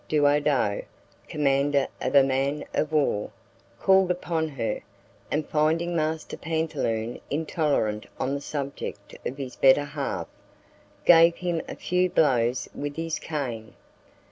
Duodo, commander of a man of war, called upon her, and, finding master pantaloon intolerant on the subject of his better half, gave him a few blows with his cane.